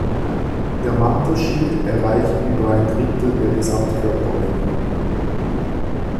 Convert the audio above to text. Der Mantelschild erreicht über ein Drittel der Gesamtkörperlänge.